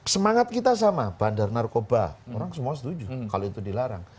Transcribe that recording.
semangat kita sama bandar narkoba orang semua setuju kalau itu dilarang